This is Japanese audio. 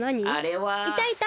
いたいた！